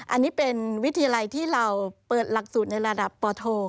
อันนี้เป็นวิทยาลัยที่เราเปิดหลักสูตรในระดับปโท